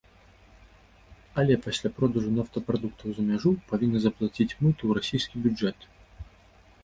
Але пасля продажу нафтапрадуктаў за мяжу павінна заплаціць мыту ў расійскі бюджэт.